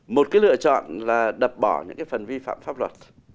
một cái lựa chọn là đập bỏ những cái phần vi phạm pháp luật